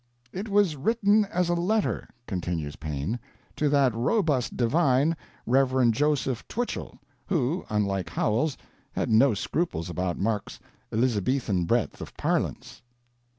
"It was written as a letter," continues Paine, "to that robust divine, Rev. Joseph Twichell, who, unlike Howells, had no scruples about Mark's 'Elizabethan breadth of parlance.'"